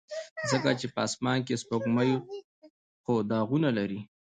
ځکه چې په اسمان کې سپوږمۍ خو داغونه لري.